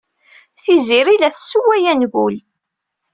Tiziri la d-tessewway angul.